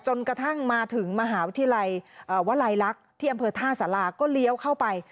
จนกระทั่งมาถึงมหาวิทยาลัยวลัยลักษณ์ที่อำเภอท่าสาราก็เลี้ยวเข้าไป